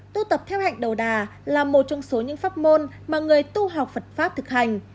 tu tập theo hạnh đồ đà là một trong số những pháp môn mà người tu học phật pháp thực hành